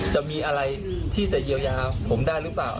จะมีอะไรที่จะเยียวยาผมได้หรือเปล่า